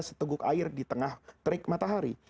seteguk air di tengah terik matahari